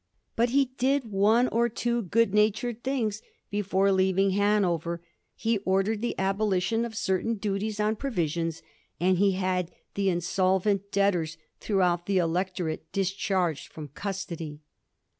But he did one or two good natured things before leaving Hanover ; he ordered the abolition of certain duties on provisions, and he had the insolvent debtors throughout the Electorate discharged fi om custody.